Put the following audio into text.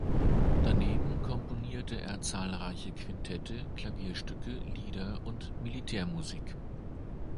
Daneben komponierte er zahlreiche Quintette, Klavierstücke, Lieder und Militärmusik.